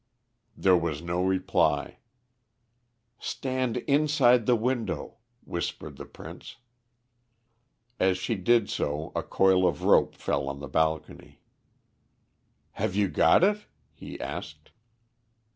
There was no reply. "Stand inside the window," whispered the Prince. As she did so a coil of rope fell on the balcony. "Have you got it?" he asked.